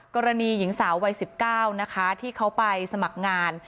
กรณีหญิงสาววัย๑๙นะคะที่เขาไปสมัครงาน